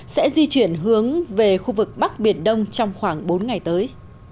sẽ di chuyển hướng về khu vực bắc biển đông trong khoảng bốn ngày tới